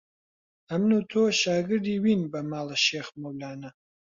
ئەمن و تۆ شاگردی وین بە ماڵە شێخ مەولانە